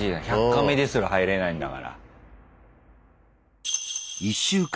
１００カメですら入れないんだから。